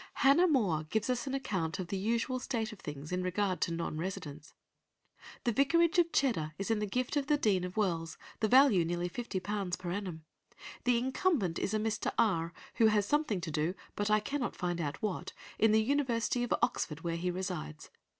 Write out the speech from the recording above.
[Illustration: THE VICAR RECEIVING HIS TITHES] Hannah More gives us an account of the usual state of things in regard to non residence— "The vicarage of Cheddar is in the gift of the Dean of Wells; the value nearly fifty pounds per annum. The incumbent is a Mr. R., who has something to do, but I cannot find out what, in the University of Oxford, where he resides.